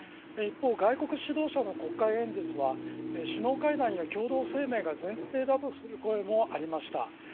一方、外国指導者の国会演説は首脳会談や共同声明が前提だとする声もありました。